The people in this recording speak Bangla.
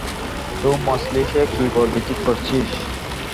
তো, মজলিশে কী বলবি ঠিক করেছিস?